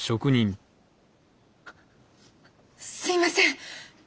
すいません。